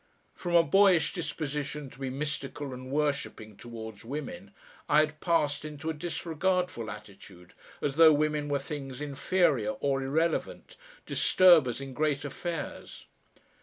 From a boyish disposition to be mystical and worshipping towards women I had passed into a disregardful attitude, as though women were things inferior or irrelevant, disturbers in great affairs.